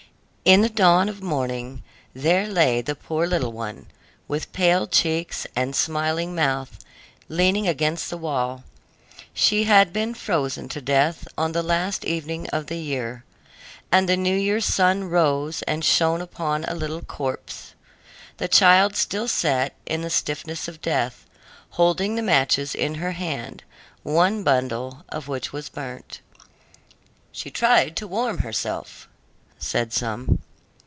In the dawn of morning there lay the poor little one, with pale cheeks and smiling mouth, leaning against the wall; she had been frozen to death on the last evening of the year; and the New year's sun rose and shone upon a little corpse! The child still sat, in the stiffness of death, holding the matches in her hand, one bundle of which was burnt. "She tried to warm herself," said some.